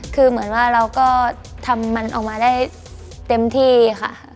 คือเหมือนว่าเราก็ทำมันออกมาได้เต็มที่ค่ะ